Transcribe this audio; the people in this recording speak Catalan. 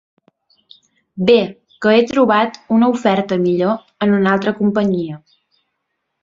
Be, que he trobat una oferta millor en una altra companyia.